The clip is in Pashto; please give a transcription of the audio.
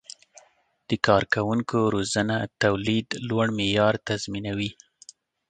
د کارکوونکو روزنه د تولید لوړ معیار تضمینوي.